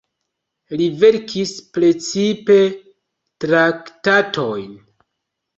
Li verkis precipe traktatojn.